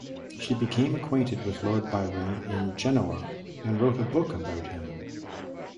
She became acquainted with Lord Byron in Genoa and wrote a book about him.